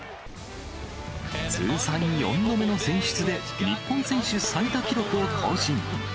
通算４度目の選出で、日本選手最多記録を更新。